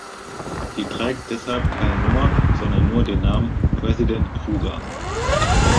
Sie trägt deshalb keine Nummer, sondern nur den Namen "President Kruger".